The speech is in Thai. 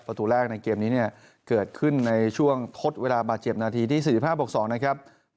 ประตูแรกในเกมนี้เนี่ยเกิดขึ้นในช่วงทดเวลาบาดเจ็บนาทีที่๔๕บวก๒นะครับ